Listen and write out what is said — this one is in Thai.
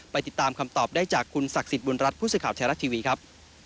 ติดตามคำตอบได้จากคุณศักดิ์สิทธิบุญรัฐผู้สื่อข่าวไทยรัฐทีวีครับ